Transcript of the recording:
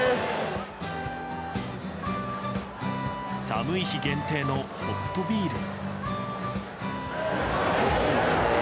寒い日限定のホットビール。